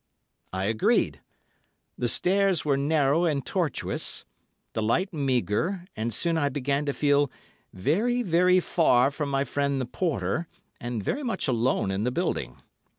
I agreed. The stairs were narrow and tortuous, the light meagre, and soon I began to feel very, very far from my friend the porter, and very much alone in the building.